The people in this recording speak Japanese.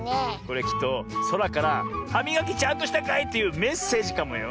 これきっとそらから「はみがきちゃんとしたかい？」というメッセージかもよ。